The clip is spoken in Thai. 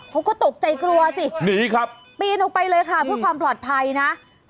เขาก็ตกใจกลัวสิปีนออกไปเลยค่ะเพื่อความปลอดภัยนะหนีครับ